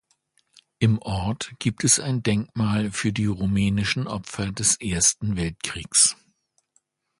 Im Ort gibt es ein Denkmal für die rumänischen Opfer des Ersten Weltkriegs.